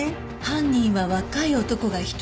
犯人は若い男が１人。